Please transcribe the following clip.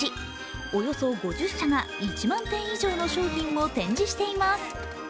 およそ５０社が１万点以上の商品を展示しています。